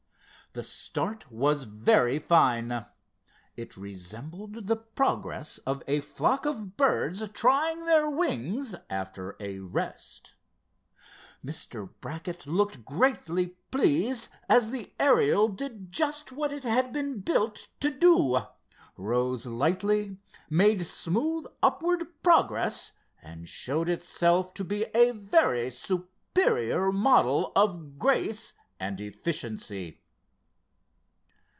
The start was very fine. It resembled the progress of a flock of birds trying their wings after a rest. Mr. Brackett looked greatly pleased as the Ariel did just what it had been built to do—rose lightly, made smooth upward progress and showed itself to be a very superior model of grace and efficiency.